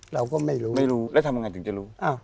เราก็ไม่รู้แล้วทำได้ยังจะรู้อ่า